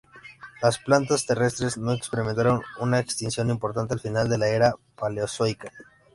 Las plantas terrestres no experimentaron una extinción importante al final de la Era Paleozoica.